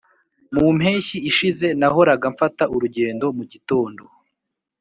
mu mpeshyi ishize, nahoraga mfata urugendo mugitondo.